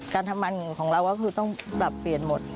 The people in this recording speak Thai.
การทำมันของเราก็คือต้องปรับเปลี่ยนหมด